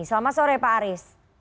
selamat sore pak aris